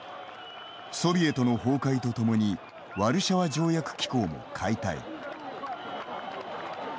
ソビエトの崩壊とともにワルシャワ条約機構も解体。